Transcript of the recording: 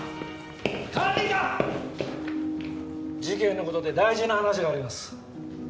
事件のことで大事な話があります。